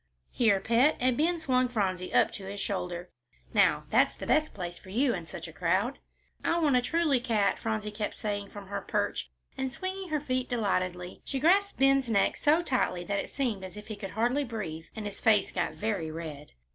"Here, pet," and Ben swung Phronsie up to his shoulder. "Now, that's the best place for you in such a crowd." "I want a truly cat," Phronsie kept saying from her perch, and, swinging her feet delightedly, she grasped Ben's neck so tightly it seemed as if he could hardly breathe; and his face got very red.